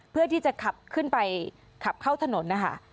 เพื่อที่จะขับขึ้นไปขับเข้าถนนนะคะ